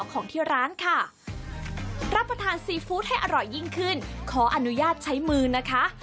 ขออนุญาตใช้มือนะคะ